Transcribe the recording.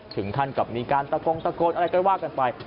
ถึงท่านกลับมีการตะโก๊งตะโก๊ดอะไรก็ได้ว่ากันไป